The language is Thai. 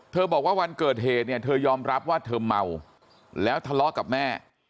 บอกว่าวันเกิดเหตุเนี่ยเธอยอมรับว่าเธอเมาแล้วทะเลาะกับแม่